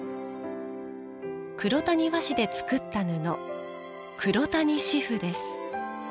黒谷和紙で作った布黒谷紙布です。